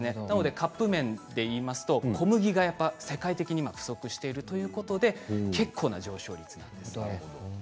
なので、カップ麺でいいますと小麦がやっぱり世界的に不足しているということで、結構な上昇率なんです。